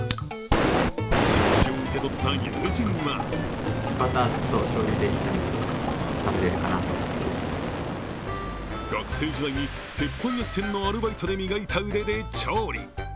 触手を受け取った友人は学生時代に鉄板焼き店のアルバイトで磨いた腕で調理。